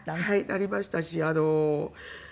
なりましたし。